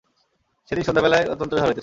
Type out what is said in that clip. সেইদিন সন্ধ্যাবেলায় অত্যন্ত ঝড় হইতেছে।